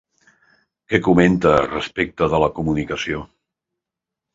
Què comenta respecte de la comunicació?